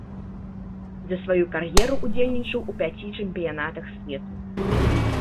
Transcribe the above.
За сваю кар'еру ўдзельнічаў у пяці чэмпіянатах свету.